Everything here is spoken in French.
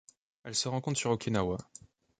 Elle se rencontre sur Okinawa.